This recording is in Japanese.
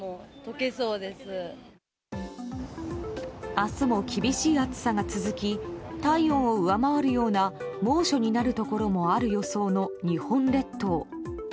明日も厳しい暑さが続き体温を上回るような猛暑になるところもある予想の日本列島。